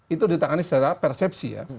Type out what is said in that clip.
itu ditangani secara persepsi ya